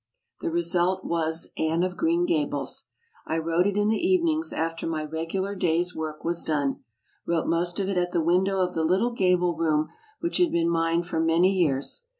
The result was Anne of Green Gables. I wrote it in the evenings after my regular day's work was done, wrote most of it at the window of the litde gable room which had been mine for many years.